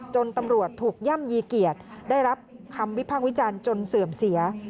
จนตำรวจถูกย่ำยีเกียจได้รับคำวิพากษ์วิจารณ์จนเสื่อมเสีย